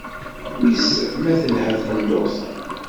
Wis ma telha tqendurt-a?